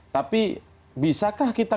tapi bisakah kita